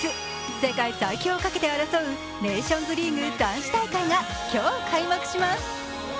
世界最強をかけて争うネーションズリーグ男子大会が今日、開幕します。